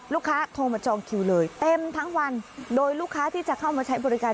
ลูกค้าโทรมาจองคิวเลยเต็มทั้งวันโดยลูกค้าที่จะเข้ามาใช้บริการ